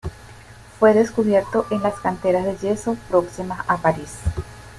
Fue descubierto en las canteras de yeso próximas a París.